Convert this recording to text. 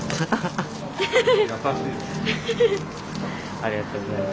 ありがとうございます。